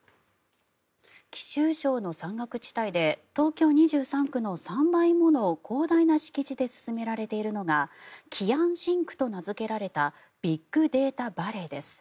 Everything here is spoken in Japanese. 貴州省の山岳地帯で東京２３区の３倍もの広大な敷地で進められているのが貴安新区と名付けられたビッグデータバレーです。